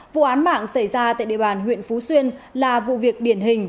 vụ án mạng xảy ra tại địa bàn huyện phú xuyên là vụ việc điển hình